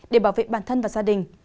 để bảo vệ bản thân và gia đình